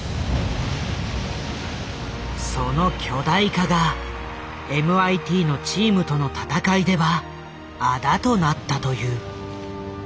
その巨大化がＭＩＴのチームとの戦いではあだとなったという。